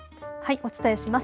お伝えします。